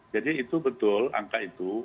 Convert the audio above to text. jadi itu betul angka itu